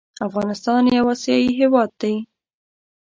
افغانستان يو اسياى هيواد دى